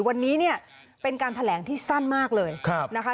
วันนี้เนี่ยเป็นการแถลงที่สั้นมากเลยนะคะ